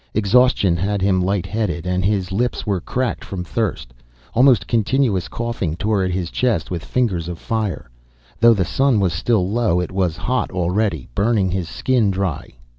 Exhaustion had him light headed, and his lips were cracked from thirst. Almost continuous coughing tore at his chest with fingers of fire. Though the sun was still low it was hot already, burning his skin dry.